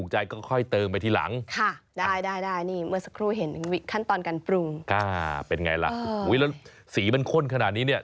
อุ้ยแล้วสีมันข้นขนาดนี้เนี่ย